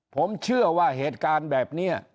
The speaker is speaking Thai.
ผมเชื่อว่าเหตุการณ์แบบนี้